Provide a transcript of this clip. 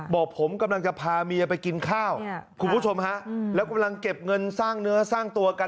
บอกผมกำลังจะพาเมียไปกินข้าวคุณผู้ชมฮะแล้วกำลังเก็บเงินสร้างเนื้อสร้างตัวกัน